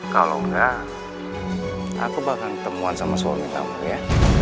kalau enggak aku bakal ketemuan sama suami kamu ya